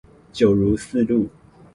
九如四路